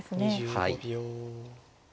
はい。